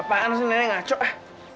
apaan sih nenek ngaco ah